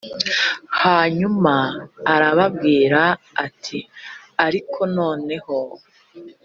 hanyuma arababwira ati ariko noneho